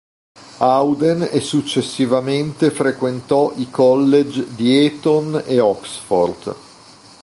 Auden e successivamente frequentò i college di Eton e Oxford.